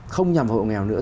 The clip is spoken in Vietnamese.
không nhầm vào hộ nghèo nữa